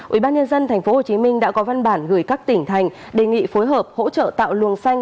ubnd tp hcm đã có văn bản gửi các tỉnh thành đề nghị phối hợp hỗ trợ tạo luồng xanh